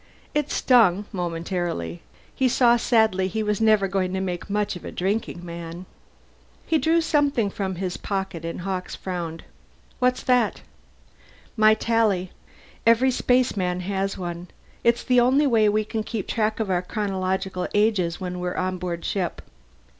It stung, momentarily; he saw sadly he was never going to make much of a drinking man. He drew something from his pocket, and Hawkes frowned. "What's that?" "My Tally. Every spaceman has one. It's the only way we can keep track of our chronological ages when we're on board ship."